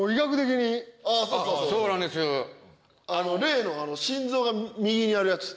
例の心臓が右にあるヤツ。